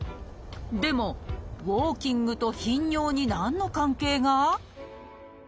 でもウォーキングと頻尿に何の関係が？